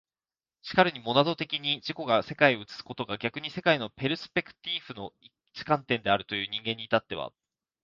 然るにモナド的に自己が世界を映すことが逆に世界のペルスペクティーフの一観点であるという人間に至っては、